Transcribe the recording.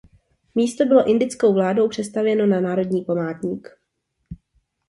Místo bylo indickou vládou přestavěno na národní památník.